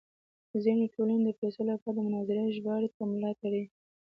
ځینې ټولنې د پیسو لپاره د مناظرې ژباړې ته ملا تړي.